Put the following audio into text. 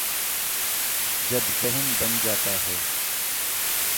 جب ذہن بن جاتا ہے۔